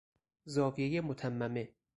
زاویهُ متممه